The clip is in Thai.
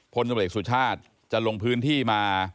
พลตำรวจเอกสุชาติจะลงพื้นที่มา